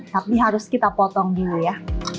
tapi harus kita potong dulu ya